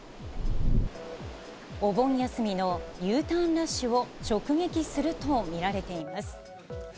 お盆休みのＵターンラッシュを直撃すると見られています。